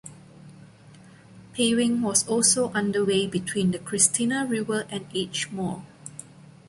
Paving was also underway between the Christina River and Edgemoor.